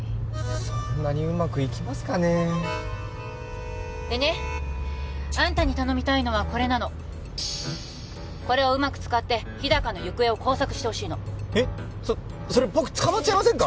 そんなにうまくいきますかねでねあんたに頼みたいのはこれなのこれをうまく使って日高の行方を工作してほしいのえっそそれ僕捕まっちゃいませんか？